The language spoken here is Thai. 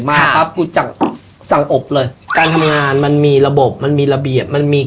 มาปั๊บกูสั่งอบเลยการทำงานมันมีระบบมันมีระเบียบมันมี